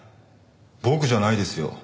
僕じゃないですよ。